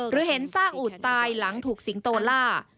หรือเห็นซากอูดตายหลังถูกสิงโตล่า